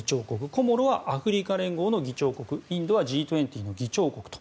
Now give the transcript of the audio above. コモロはアフリカ連合の議長国インドはＧ２０の議長国と。